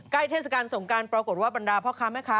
เทศกาลสงการปรากฏว่าบรรดาพ่อค้าแม่ค้า